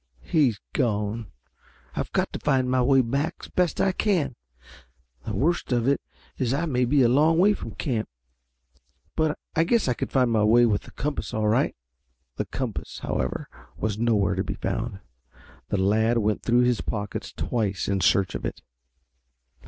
"He's gone. I've got to find my way back as best I can. The worst of it is I may be a long way from camp, but I guess I can find my way with the compass all right." The compass, however, was nowhere to be found. The lad went through his pockets twice in search of it.